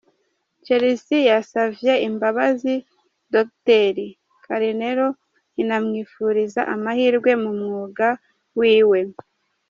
Chelseayasavye imbabazi Dr Carneiro inamwifuriza amahirwe mu mwuga wiwe.